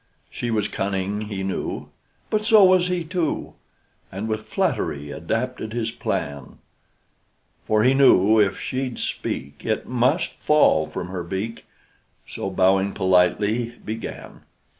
She was cunning, he knew, But so was he too, And with flattery adapted his plan; For he knew if she'd speak, It must fall from her beak, So, bowing politely, began.